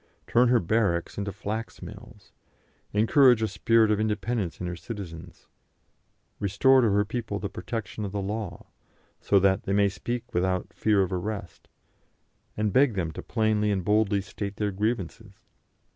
Turn her barracks into flax mills, encourage a spirit of independence in her citizens, restore to her people the protection of the law, so that they may speak without fear of arrest, and beg them to plainly and boldly state their grievances.